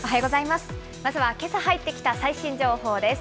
まずはけさ入ってきた最新情報です。